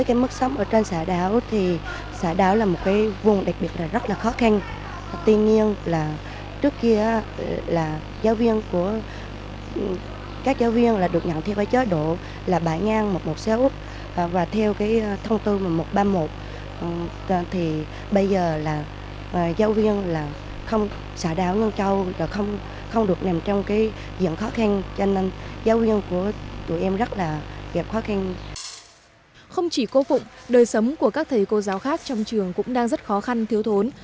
không chỉ cô phụng đời sống của các thầy cô giáo khác trong trường cũng đang rất khó khăn thiếu thốn